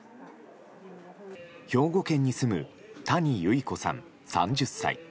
兵庫県に住む谷侑衣子さん、３０歳。